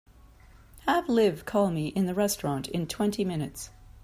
Have Liv call me in the restaurant in twenty minutes.